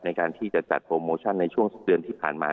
ในการที่จะจัดโปรโมชั่นในช่วงเดือนที่ผ่านมา